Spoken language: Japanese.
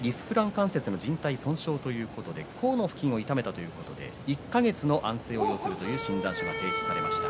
関節じん帯損傷ということで甲の付近を痛めて１か月の安静を要するという診断書が出されました。